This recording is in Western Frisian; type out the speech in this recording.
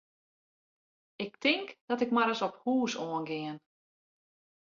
Ik tink dat ik mar ris op hús oan gean.